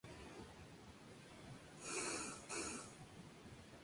Sobre este tema imparte seminarios y conferencias, con relativa frecuencia, en diversos países.